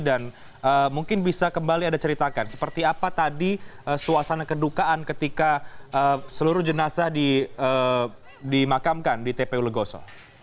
dan mungkin bisa kembali ada ceritakan seperti apa tadi suasana kedukaan ketika seluruh jenazah dimakamkan di tpu legoso